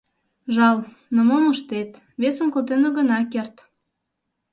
Жал, но мом ыштет, весым колтен огына керт.